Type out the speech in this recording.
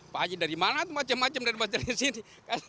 pak haji dari mana macam macam dari sini